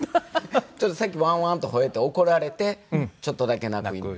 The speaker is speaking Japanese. ちょっと先ワンワンとほえて怒られてちょっとだけ鳴く犬。